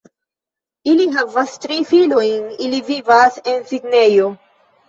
Ili havas tri filojn, ili vivas en Sidnejo.